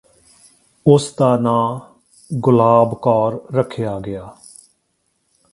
ਉਸ ਦਾ ਨਾਂ ਗੁਲਾਬ ਕੌਰ ਰੱਖਿਆ ਗਿਆ